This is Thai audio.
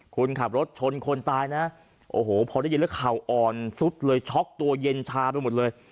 คุณขับรถชนคนตายนะโอ้โหพอได้ยินแล้วเข่าอ่อนซุดเลยช็อกตัวเย็นชาไปหมดเลย